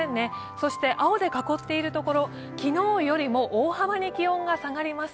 そして青で囲っているところ、昨日よりも大幅に気温が下がります。